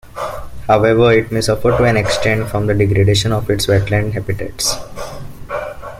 However, it may suffer to an extent from the degradation of its wetland habitats.